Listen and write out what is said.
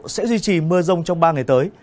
sẽ duy trì mưa rông trong ba ngày tới